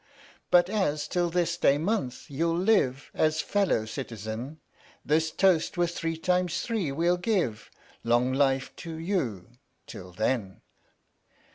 " But as till this day month you'll live As fellow citizen, This toast with three times three we'll give " Long life to you till then